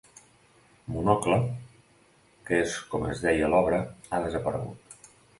“Monocle”, que és com es deia l'obra, ha desaparegut.